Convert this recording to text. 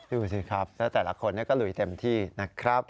ดูสิครับแล้วแต่ละคนก็ลุยเต็มที่นะครับ